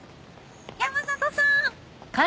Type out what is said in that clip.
山里さん！